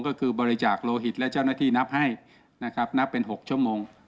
ก็คือบริจาคโลหิตและเจ้าหน้าที่นับให้นะครับนับเป็น๖ชั่วโมง